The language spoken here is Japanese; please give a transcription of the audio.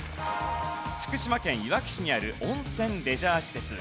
福島県いわき市にある温泉レジャー施設。